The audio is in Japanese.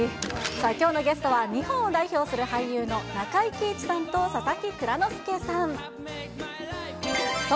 きょうのゲストは、日本を代表する俳優の中井貴一さんと佐々木蔵之介さん。